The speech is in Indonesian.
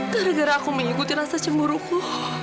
gara gara aku mengikuti rasa cemburuku